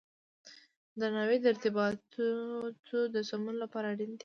درناوی د ارتباطاتو د سمون لپاره اړین دی.